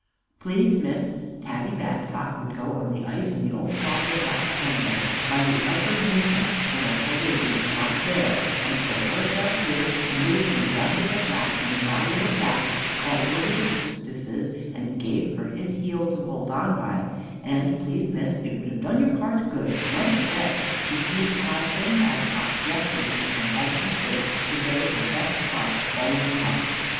Please Miss, Tabby Badcock would go on the ice in the old saw pit last Sunday, by the upper linhay when I told her it would not bear, and so her fell through and would have been drownded at last, only our little Jack crawled over the postesses and give her his heel to hold on by, and please Miss it would have done your heart good, mother says, to see how Tim Badcock dressed her when he come home from church for getting her best frock all of a muck.